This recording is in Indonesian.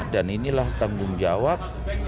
dan inilah tanggung jawab